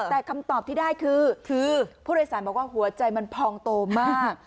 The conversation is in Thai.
แต่คำตอบที่ได้คือคือผู้โดยสารบอกว่าหัวใจมันพองโตมาก